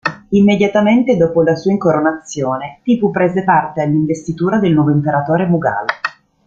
Immediatamente dopo la sua incoronazione, Tipu prese parte all'investitura del nuovo imperatore mughal.